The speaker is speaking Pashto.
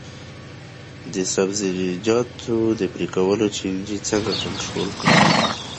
د سبزیجاتو د پرې کولو چینجي څنګه کنټرول کړم؟